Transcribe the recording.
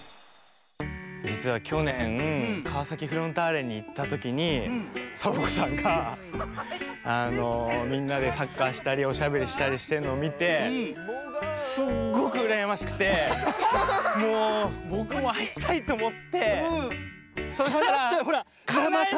じつはきょねんかわさきフロンターレにいったときにサボ子さんがあのみんなでサッカーしたりおしゃべりしたりしてるのをみてすっごくうらやましくてもうぼくもはいりたいっておもってそしたらかないました！